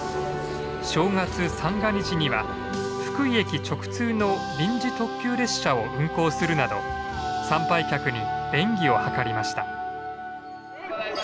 正月三が日には福井駅直通の臨時特急列車を運行するなど参拝客に便宜を図りました。